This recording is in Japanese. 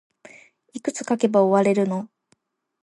いくつ書けば終われるの